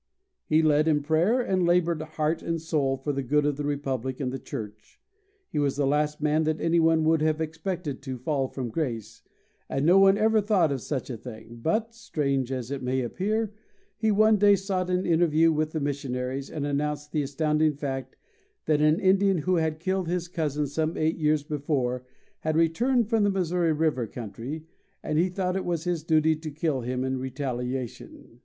He led in prayer, and labored heart and soul for the good of the republic and the church. He was the last man that anyone would have expected to fall from grace, and no one ever thought of such a thing; but, strange as it may appear, he one day sought an interview with the missionaries, and announced the astounding fact that an Indian who had killed his cousin some eight years before had returned from the Missouri river country, and he thought it was his duty to kill him in retaliation.